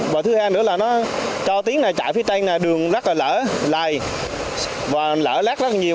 và thứ hai nữa là nó cho tiếng này chạy phía tây này đường rất là lỡ lầy và lỡ lét rất nhiều